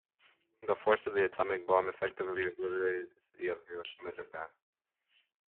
The force of the atomic bomb effectively obliterated the city of Hiroshima, Japan.